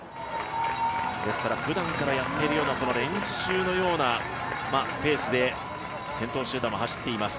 ふだんからやっているような練習のようなペースで先頭集団を走っています。